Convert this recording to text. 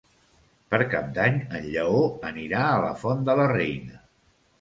Per Cap d'Any en Lleó anirà a la Font de la Reina.